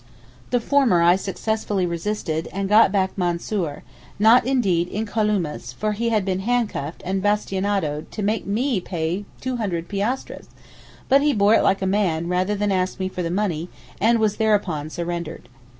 The former I successfully resisted and got back Mansoor, not indeed incolumes for he had been handcuffed and bastinadoed to make me pay 200 piastres, but he bore it like a man rather than ask me for the money and was thereupon surrendered.